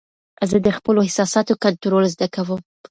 زه د خپلو احساساتو کنټرول زده کوم.